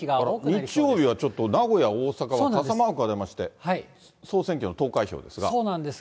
日曜日はちょっと、名古屋、大阪は傘マークが出まして、そうなんです。